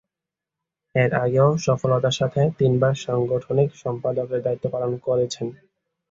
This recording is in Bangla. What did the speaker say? এর আগেও সফলতার সাথে তিনবার সাংগঠনিক সম্পাদকের দায়িত্ব পালন করেছেন।